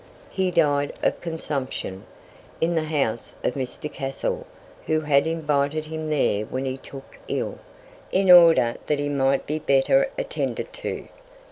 He died of consumption, in the house of Mr. Cassell, who had invited him there when he took ill, in order that he might be better attended to.